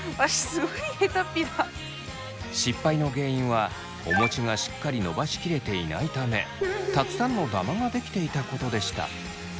失敗の原因はお餅がしっかりのばしきれていないためたくさんのダマが出来ていたことでした。